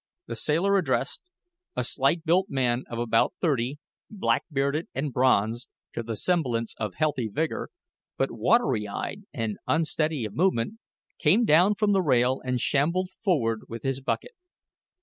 The sailor addressed a slight built man of about thirty, black bearded and bronzed to the semblance of healthy vigor, but watery eyed and unsteady of movement came down from the rail and shambled forward with his bucket.